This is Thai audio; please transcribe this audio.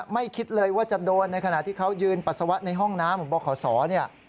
ไม่คิดเลยว่าจะโดนในขณะที่เขายืนปัสสาวะในห้องน้ำบขศเนี่ย